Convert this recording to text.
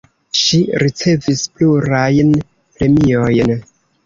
Ŝi ricevis plurajn premiojn.